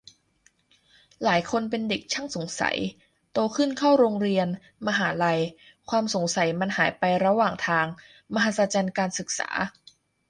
หลายคนเป็นเด็กช่างสงสัย โตขึ้นเข้าโรงเรียน มหาลัย ความสงสัยมันหายไประหว่างทาง - มหัศจรรย์การศึกษา !